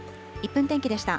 １分天気でした。